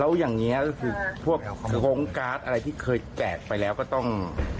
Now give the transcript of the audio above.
แล้วอย่างนี้ก็คือพวกโรงการ์ดอะไรที่เคยแจกไปแล้วก็ต้อง